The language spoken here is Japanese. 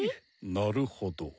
なるほど。